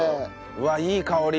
うわっいい香り！